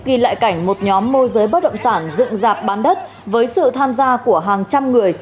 ghi lại cảnh một nhóm môi giới bất động sản dựng dạp bán đất với sự tham gia của hàng trăm người